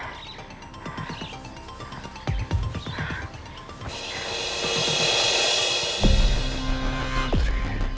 aku harus cepat cepat ngurus keberangkatannya